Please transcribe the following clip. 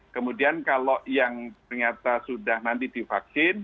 kemudian kalau yang ternyata sudah nanti divaksin